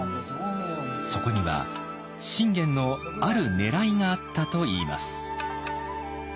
そこには信玄のあるねらいがあったといいます。